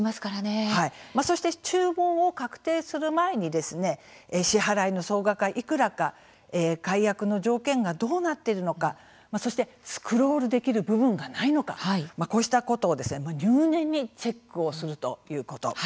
そして注文を確定する前に支払いの総額がいくらか解約の条件がどうなっているのかスクロールできる部分がないのかこうしたことを入念にチェックをするということ。